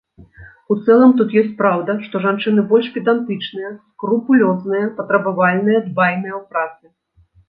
У цэлым тут ёсць праўда, што жанчыны больш педантычныя, скрупулёзныя, патрабавальныя, дбайныя ў працы.